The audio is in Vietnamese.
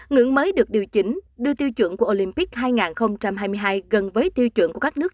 ngưỡng mới được điều chỉnh đưa tiêu chuẩn của olympic hai nghìn hai mươi hai gần với tiêu chuẩn của các nước